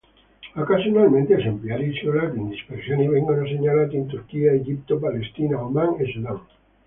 Occasionalmente, esemplari isolati in dispersione vengono segnalati in Turchia, Egitto, Israele, Oman e Sudan.